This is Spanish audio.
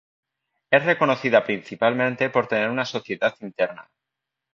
Es reconocida principalmente por tener una sociedad interna.